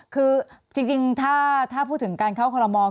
คือจริงถ้าพูดถึงการเข้าคอลโม